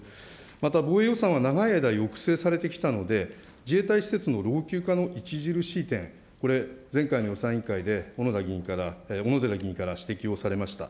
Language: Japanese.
また、防衛予算は長い間、抑制されてきたので、自衛隊施設の老朽化の著しい点、これ、前回の予算委員会で小野寺議員から指摘をされました。